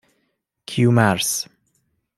کیومرث